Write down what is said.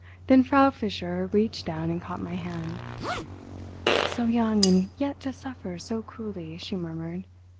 Then Frau Fischer reached down and caught my hand. "So young and yet to suffer so cruelly," she murmured.